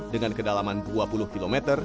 dengan kedalaman dua lima meter